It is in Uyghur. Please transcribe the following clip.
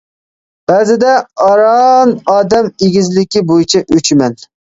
بەزىدە ئاران ئادەم ئېگىزلىكى بويىچە ئۇچىمەن.